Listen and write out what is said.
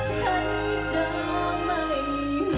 ฉันจะไม่เหมือน